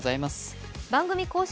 番組公式